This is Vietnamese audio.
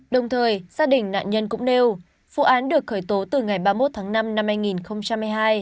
đồng thời gia đình nạn nhân cũng nêu vụ án được khởi tố từ ngày ba mươi một tháng năm năm hai nghìn hai mươi hai